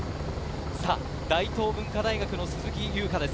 大東文化大学の鈴木優花です。